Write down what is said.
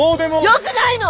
よくないの！